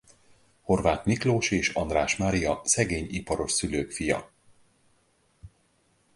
Horváth Miklós és András Mária szegény iparos szülők fia.